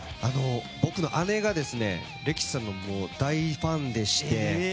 僕の姉がレキシさんの大ファンでして。